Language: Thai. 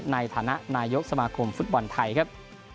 ในฐานะนายกสมาคมฟุตบอลไทยครับ